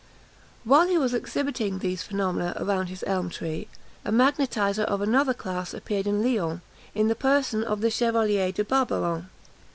While he was exhibiting these phenomena around his elm tree, a magnetiser of another class appeared in Lyons, in the person of the Chevalier de Barbarin.